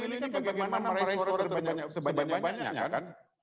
pemilu ini kan bagaimana meraih suara tersebanyak banyaknya kan